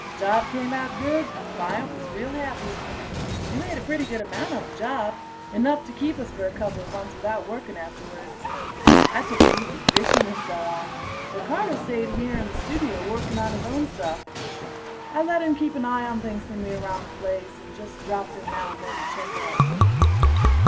Job came out good; client was real happy. We made a pretty good amount on the job, enough to keep us for a coupla months without working afterwards. I took it easy, fishing and so on, but Carter stayed here in the studio working on his own stuff. I let him keep an eye on things for me around the place, and just dropped in now and then to check up.